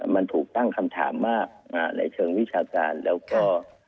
มันถูกตั้งคำถามมากในเชิงวิชาการแล้วก็